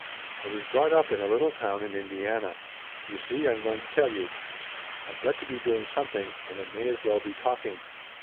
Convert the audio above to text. "I was brought up in a little town in Indiana. You see I'm going to tell you. I've got to be doing something and it may as well be talking.